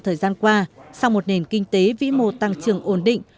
thời gian qua sau một nền kinh tế vĩ mô tăng trưởng ổn định